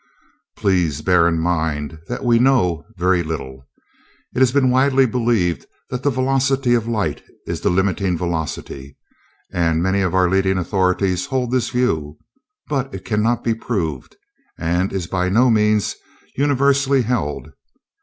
Please bear in mind that we KNOW very little. It has been widely believed that the velocity of light is the limiting velocity, and many of our leading authorities hold this view but it cannot be proved, and is by no means universally held.